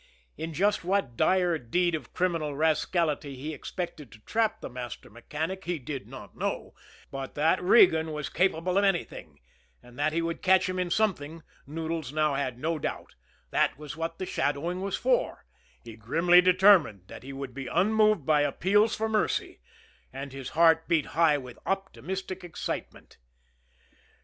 In just what dire deed of criminal rascality he expected to trap the master mechanic he did not know, but that Regan was capable of anything, and that he would catch him in something, Noodles now had no doubt that was what the shadowing was for he grimly determined that he would be unmoved by appeals for mercy and his heart beat high with optimistic excitement.